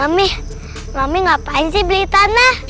mami mami ngapain sih beli tanah